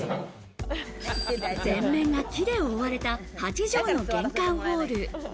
全面が木で覆われた８畳の玄関ホール。